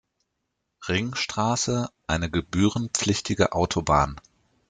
Ringstraße eine gebührenpflichtige Autobahn.